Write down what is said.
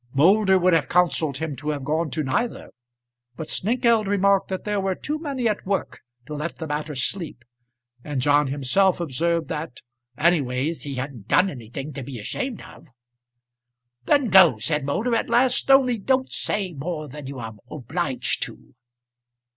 Moulder would have counselled him to have gone to neither, but Snengkeld remarked that there were too many at work to let the matter sleep, and John himself observed that "anyways he hadn't done anything to be ashamed of." "Then go," said Moulder at last, "only don't say more than you are obliged to."